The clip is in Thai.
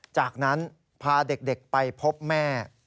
จากนั้นพาเด็กไปพบแม่